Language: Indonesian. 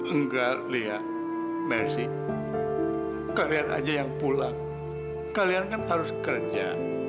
enggak lia mercy kalian saja yang pulang kalian kan harus bekerja